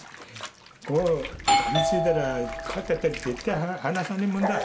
ここかみついたら、こうやってやっても絶対に離さねえもんだ。